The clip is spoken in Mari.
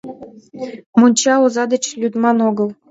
— Монча оза деч лӱдман огыл.